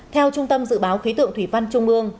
theo trung tâm dự báo khí tượng thủy văn trung ương